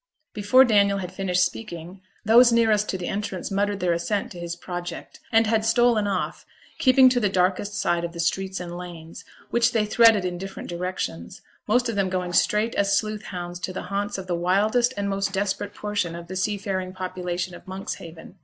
Before Daniel had finished speaking, those nearest to the entrance muttered their assent to his project, and had stolen off, keeping to the darkest side of the streets and lanes, which they threaded in different directions; most of them going straight as sleuth hounds to the haunts of the wildest and most desperate portion of the seafaring population of Monkshaven.